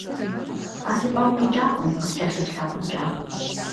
Ар и пӀэм къикӀакъым, къыскӀэлъыплъа фӀэкӀа.